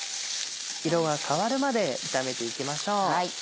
色が変わるまで炒めていきましょう。